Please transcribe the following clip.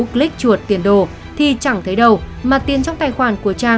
vào số điện thoại họ tên số tài khoản các thứ